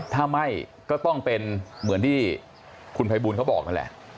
ถ้าไม่ก็ต้องเป็นเหมือนที่คุณภัยบูลเขาบอกนั่นแหละ